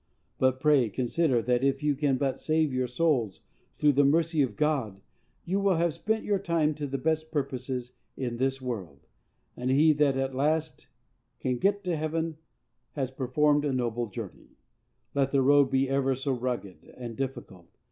But, pray, consider that, if you can but save your souls, through the mercy of God, you will have spent your time to the best of purposes in this world; and he that at last can get to heaven has performed a noble journey, let the road be ever so rugged and difficult.